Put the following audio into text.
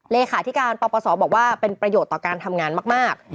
เลขาธิการปปศบอกว่าเป็นประโยชน์ต่อการทำงานมาก